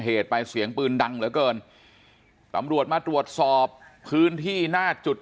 เหตุไปเสียงปืนดังเหลือเกินตำรวจมาตรวจสอบพื้นที่หน้าจุด